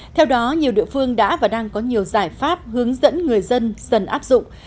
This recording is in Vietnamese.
theo đó nhiều địa phương đã và đang có nhiều giải pháp hướng dẫn người dân dần áp dụng